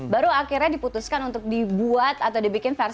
baru akhirnya diputuskan untuk dibuat atau dibikin versi